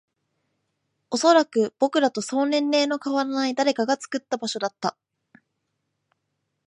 おそらく、僕らとそう年齢の変わらない誰かが作った場所だった